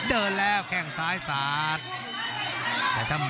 โหโหโหโหโหโหโห